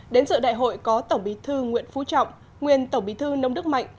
đến dự đại hội có tổng bí thư nguyễn phú trọng nguyên tổng bí thư nông đức mạnh